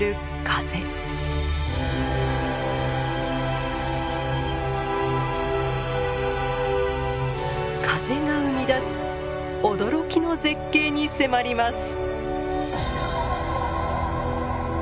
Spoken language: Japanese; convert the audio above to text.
風が生み出す驚きの絶景に迫ります。